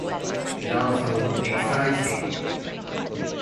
It also excites people.